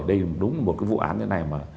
đây đúng là một cái vụ án như thế này